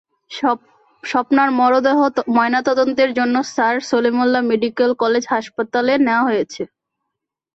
স্বপ্নার মরদেহ ময়নাতদন্তের জন্য স্যার সলিমুল্লাহ মেডিকেল কলেজ হাসপাতালে নেওয়া হয়েছে।